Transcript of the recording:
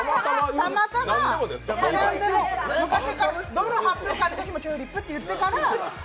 たまたま、何でも昔から、どの発表会のときもチューリップって言ってから。